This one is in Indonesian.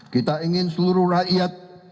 kita ingin seluruh rakyat